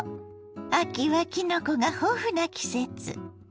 秋はきのこが豊富な季節。